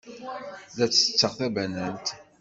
La ttetteɣ tabanant.